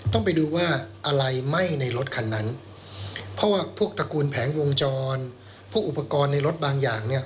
ต้องไปดูว่าอะไรไหม้ในรถคันนั้นเพราะว่าพวกตระกูลแผงวงจรพวกอุปกรณ์ในรถบางอย่างเนี่ย